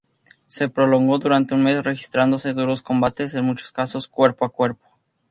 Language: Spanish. Se prolongó durante un mes registrándose duros combates, en muchos casos cuerpo a cuerpo.